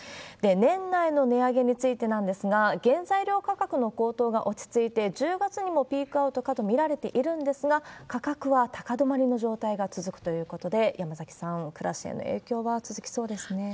年内の値上げについてなんですが、原材料価格の高騰が落ち着いて、１０月にもピークアウトかと見られているんですが、価格は高止まりの状態が続くということで、山崎さん、そうですね。